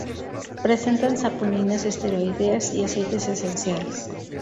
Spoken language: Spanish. Presentan saponinas esteroideas y aceites esenciales.